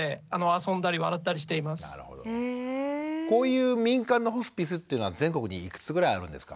こういう民間のホスピスっていうのは全国にいくつぐらいあるんですか？